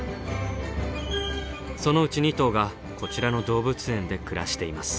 そのうち２頭がこちらの動物園で暮らしています。